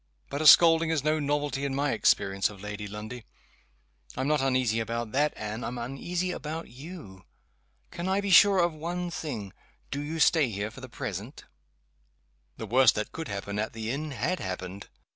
"But a scolding is no novelty in my experience of Lady Lundie. I'm not uneasy about that, Anne I'm uneasy about you. Can I be sure of one thing do you stay here for the present?" The worst that could happen at the inn had happened.